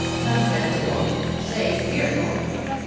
"Lamentable! Say fearful.